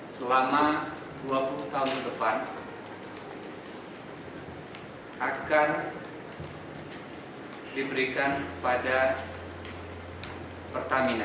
selama dua puluh tahun depan akan diberikan kepada pertamina